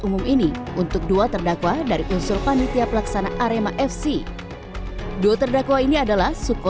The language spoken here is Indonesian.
umum ini untuk dua terdakwa dari unsur panitia pelaksana arema fc dua terdakwa ini adalah suko